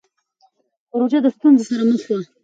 پژو د ستونزو سره مخ و.